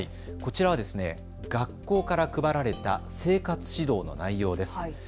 こちら、学校から配られた生活指導の内容です。